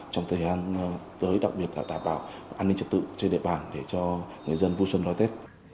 đồng thời huy động lực lượng phương tiện thiết bị kỹ thuật quá tải